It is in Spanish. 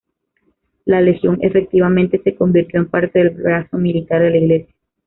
La Legión efectivamente se convirtió en parte del brazo militar de la iglesia.